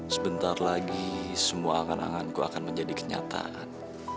sebentar lagi semua angan anganku akan menjadi kenyataan